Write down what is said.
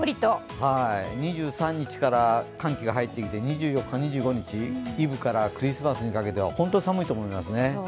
２３日から寒気が入ってきて、２４日、２５日、イブからクリスマスにかけて、本当に寒いと思います。